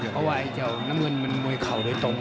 เพราะว่าไอ้เจ้าน้ำเงินมันมวยเข่าโดยตรง